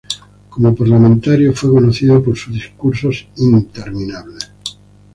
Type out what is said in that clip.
Como parlamentario, fue conocido por sus discursos interminables.